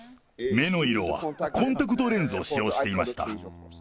目の色はコンタクトレンズを使用していました。